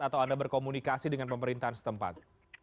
atau anda berkomunikasi dengan pemerintahan setempat